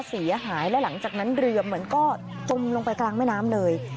เสียหายและหลังจากนั้นเรือเหมือนก็จมลงไปกลางแม่น้ำเลย